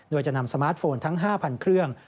โดยจะนำสมาร์ทโฟนทั้ง๕๐๐เครื่อง